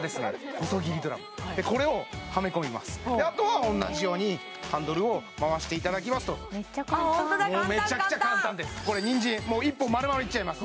細切りドラムこれをはめ込みますであとは同じようにハンドルを回していただきますとめっちゃ簡単ホントだもうめちゃくちゃ簡単ですこれにんじんもう１本丸々いっちゃいます